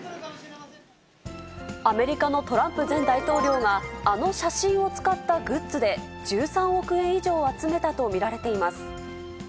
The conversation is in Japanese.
アメリカのトランプ前大統領が、あの写真を使ったグッズで１３億円以上を集めたと見られています。